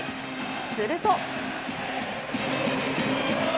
すると。